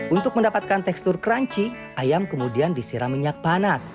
untuk mendapatkan tekstur crunchy ayam kemudian disiram minyak panas